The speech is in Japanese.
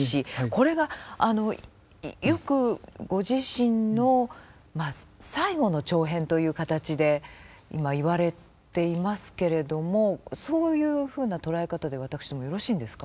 これがよくご自身の最後の長編という形でいわれていますけれどもそういうふうな捉え方で私どもよろしいんですか？